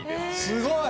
すごい！」